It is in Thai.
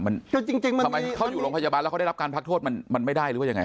มันทำไมเขาอยู่โรงพยาบาลแล้วเขาได้รับการพักโทษมันไม่ได้หรือว่ายังไง